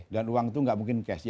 dan uang itu gak mungkin cash